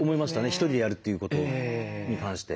ひとりでやるっていうことに関して。